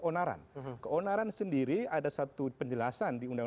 william dan witton menetapkan titik yang menarik dari belas kini rasai heks dichot sydoung